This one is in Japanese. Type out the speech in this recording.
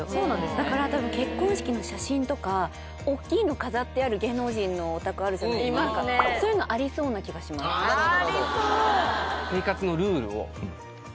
だから多分結婚式の写真とか大きいの飾ってある芸能人のお宅あるじゃないですかそういうのありそうな気がしますありそう！